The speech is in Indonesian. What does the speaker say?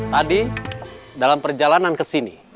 tadi dalam perjalanan ke sini